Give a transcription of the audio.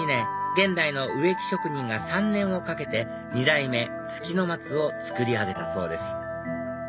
現代の植木職人が３年をかけて２代目月の松を作り上げたそうです